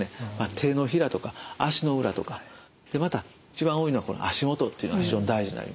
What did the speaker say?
手のひらとか足の裏とかまた一番多いのは足元っていうのは非常に大事になります。